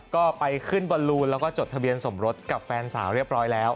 ก็ไปขึ้นบอลลูนแล้วก็จดทะเบียนสมรสกับแฟนสาวเรียบร้อยแล้ว